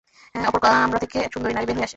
অপর কামরা থেকে এক সুন্দরী নারী বের হয়ে আসে।